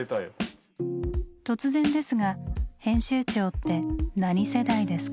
突然ですが編集長って何世代ですか？